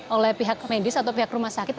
oleh pihak medis atau pihak rumah sakit